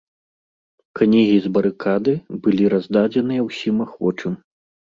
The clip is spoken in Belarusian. Кнігі з барыкады былі раздадзеныя ўсім ахвочым.